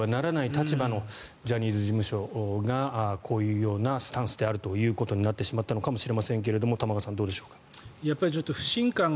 これから信頼を得ていかなければならない立場のジャニーズ事務所がこういうスタンスであるということになってしまったのかもしれませんが玉川さん、どうでしょうか。